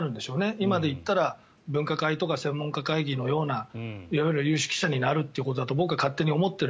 今でいったら分科会とか専門家会議のような有識者になるということだと僕は思っている。